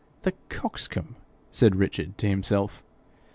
The coxcomb!' said Richard to himself.